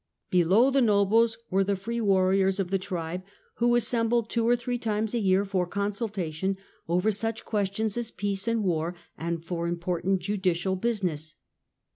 Below the nobles were the free warriors of the tribe, who assembled two or three times a year for consulta tion over such questions as peace and war and for important judicial business.